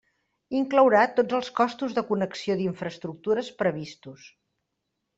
Inclourà tots els costos de connexió d'infraestructures previstos.